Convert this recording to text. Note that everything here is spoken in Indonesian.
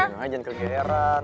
jangan aja kegeran